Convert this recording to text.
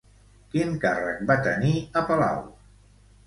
Quin càrrec va tenir a palau?